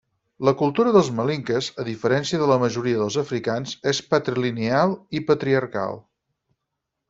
La cultura dels malinkes, a diferència de la majoria dels africans, és patrilineal i patriarcal.